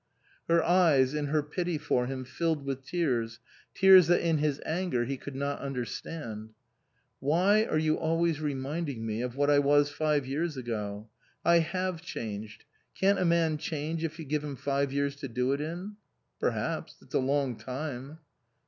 Her eyes, in her pity for him, filled with tears, tears that in his anger he could not understand. " Why are you always reminding me of what I was five years ago ? I have changed. Can't a man change if you give him five years to do it in?" " Perhaps. It's a long time."